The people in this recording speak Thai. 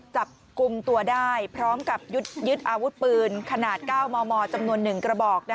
จับกลุ่มตัวได้พร้อมกับยึดอาวุธปืนขนาด๙มมจำนวน๑กระบอก